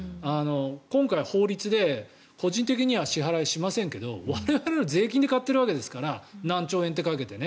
今回、法律で個人的には支払いしませんが我々の税金で買ってるわけですから何兆円とかけて。